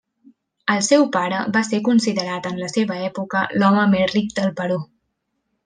El seu pare va ser considerat en la seva època l'home més ric del Perú.